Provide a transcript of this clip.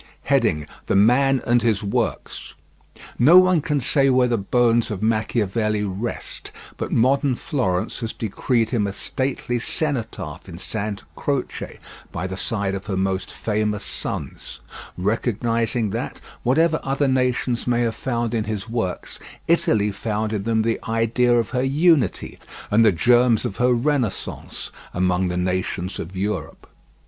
THE MAN AND HIS WORKS No one can say where the bones of Machiavelli rest, but modern Florence has decreed him a stately cenotaph in Santa Croce, by the side of her most famous sons; recognizing that, whatever other nations may have found in his works, Italy found in them the idea of her unity and the germs of her renaissance among the nations of Europe.